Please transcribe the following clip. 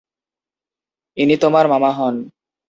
ইনি তোমার মামা হন।